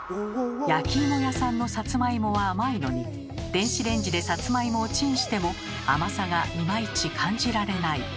焼き芋屋さんのサツマイモは甘いのに電子レンジでサツマイモをチンしても甘さがいまいち感じられない。